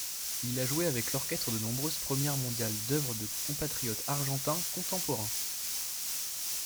Il a joué avec l'orchestre de nombreuses premières mondiales d'œuvres de compatriotes argentins contemporains.